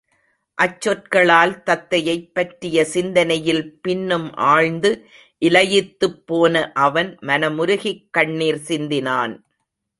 அச் சொற்களால் தத்தையைப் பற்றிய சிந்தனையில் பின்னும் ஆழ்ந்து இலயித்துப்போன அவன், மனமுருகிக் கண்ணிர் சிந்தினான்.